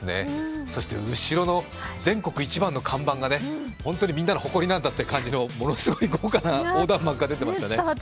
後ろの全国一番の看板が本当にみんなの誇りなんだというものすごい豪華な横断幕が出ていましたね。